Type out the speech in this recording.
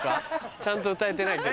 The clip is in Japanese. ちゃんと歌えてないけど。